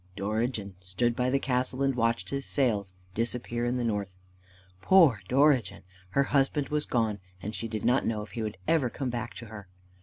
Dorigen stood by the castle and watched his sails disappear in the north. Poor Dorigen! her husband was gone, and she did not know if he would ever come back to her.